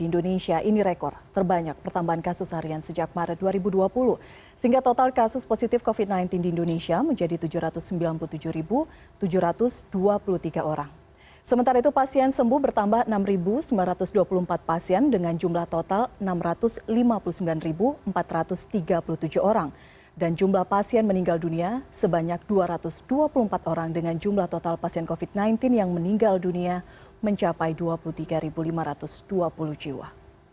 dengan jumlah total enam ratus lima puluh sembilan empat ratus tiga puluh tujuh orang dan jumlah pasien meninggal dunia sebanyak dua ratus dua puluh empat orang dengan jumlah total pasien covid sembilan belas yang meninggal dunia mencapai dua puluh tiga lima ratus dua puluh jiwa